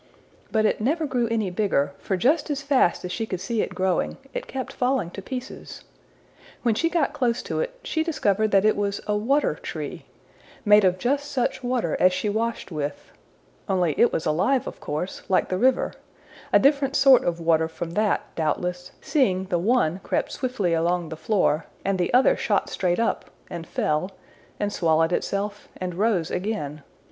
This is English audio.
But it never grew any bigger, for just as fast as she could see it growing, it kept falling to pieces. When she got close to it, she discovered that it was a water tree made of just such water as she washed with only it was alive of course, like the river a different sort of water from that, doubtless, seeing the one crept swiftly along the floor, and the other shot straight up, and fell, and swallowed itself, and rose again.